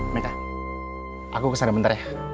mereka aku kesana bentar ya